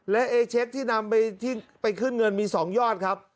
และเอเช็คที่นำไปขึ้นเงินมี๒ยอดครับ